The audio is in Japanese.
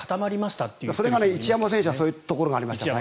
それが一山選手はそういうところがありましたね。